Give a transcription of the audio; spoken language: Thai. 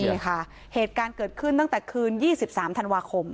นี่ค่ะเหตุการณ์เกิดขึ้นตั้งแต่คืน๒๓ธันวาคม